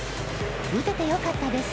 打てて良かったです